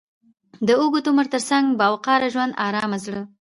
د اوږد عمر تر څنګ، با وقاره ژوند، ارام زړه،